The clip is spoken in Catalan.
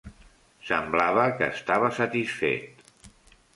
Semblava que estava satisfet.